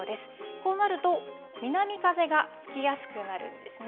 こうなると、南風が吹きやすくなるんですね。